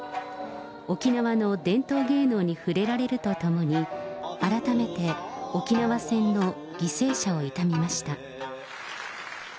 沖縄の伝統芸能に触れられるとともに、改めて沖縄戦の犠牲者を悼みました。